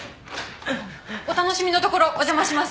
お楽しみのところお邪魔します。